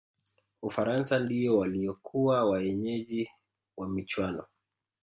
ufaransa ndiyo waliyokuwa waenyeji wa michuano